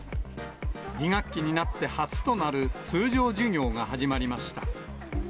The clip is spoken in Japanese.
２学期になって初となる、通常授業が始まりました。